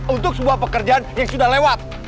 untuk sebuah pekerjaan yang sudah lewat